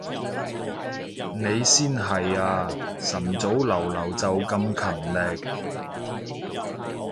你先係啊，晨早流流就咁勤力